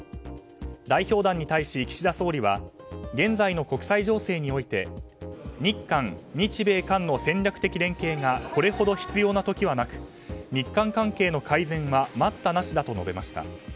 代表団に対し岸田総理は現在の国際情勢において日韓、日米韓の戦略的連携がこれほど必要な時はなく日韓関係の改善は待ったなしだと述べました。